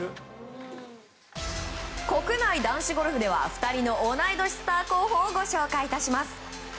国内男子ゴルフでは２人の同い年スター候補をご紹介致します。